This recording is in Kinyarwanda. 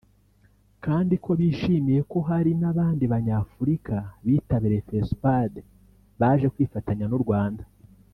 kandi ko bishimiye ko hari n’abandi Banyafurika bitabiriye Fespad baje kwifatanya n’u Rwanda